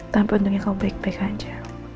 tapi untungnya kamu baik baik aja